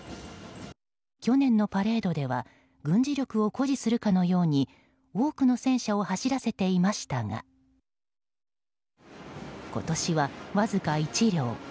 去年のパレードでは軍事力を誇示するかのように多くの戦車を走らせていましたが今年はわずか１両。